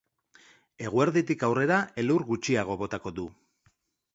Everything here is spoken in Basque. Eguerditik aurrera elur gutxiago botako du.